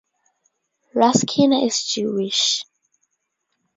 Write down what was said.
Raskina is Jewish.